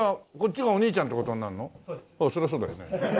そりゃそうだよね。